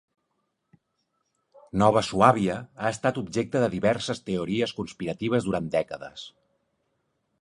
Nova Suàbia ha estat objecte de diverses teories conspiratives durant dècades.